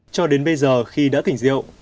cho đến bây giờ khi đã thỉnh rượu